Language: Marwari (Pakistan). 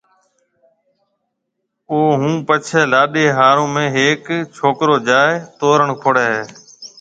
اوئيَ ھون پڇيَ لاڏَي ھاݪون ۾ ھيَََڪ ڇوڪرو جائيَ تورڻ کوڙَي ھيََََ